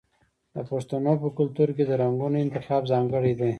د پښتنو په کلتور کې د رنګونو انتخاب ځانګړی دی.